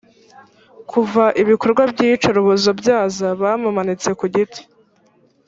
kuva ibikorwa byiyicarubozo byaza bamumanitse ku giti.